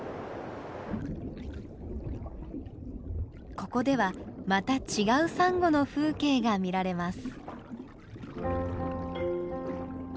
ここではまた違うサンゴの風景が見られます。